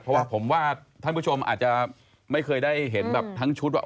เพราะว่าผมว่าท่านผู้ชมอาจจะไม่เคยได้เห็นแบบทั้งชุดว่า